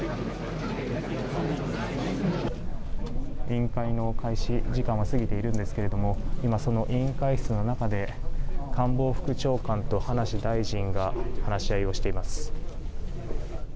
委員会の開始時間は過ぎているんですけれど今、その委員会室の中で官房副長官と葉梨大臣が話し合いをしています。